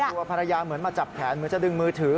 ตัวภรรยาเหมือนมาจับแขนเหมือนจะดึงมือถือ